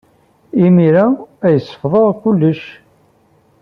Imir-a ay sefḍeɣ kullec.